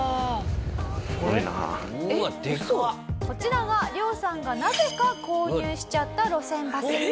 こちらがリョウさんがなぜか購入しちゃった路線バス。